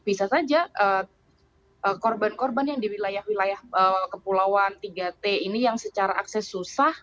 bisa saja korban korban yang di wilayah wilayah kepulauan tiga t ini yang secara akses susah